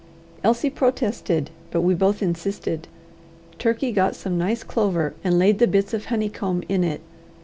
Elsie protested, but we both insisted. Turkey got some nice clover, and laid the bits of honeycomb in it.